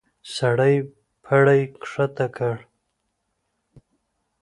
سړی پړی کښته کړ.